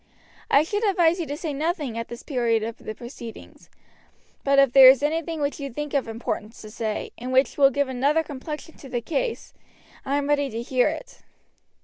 I should advise you to say nothing at this period of the proceedings; but if there is anything which you think of importance to say, and which will give another complexion to the case, I am ready to hear it."